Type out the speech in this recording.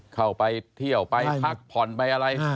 เข้าไปเที่ยวไปพักผ่อนไปอะไร